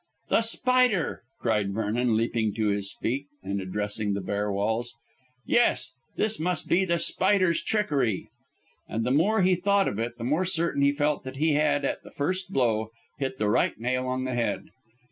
"The Spider," cried Vernon, leaping to his feet and addressing the bare walls. "Yes, this must be The Spider's trickery." And the more he thought of it the more certain he felt that he had, at the first blow, hit the right nail on the head.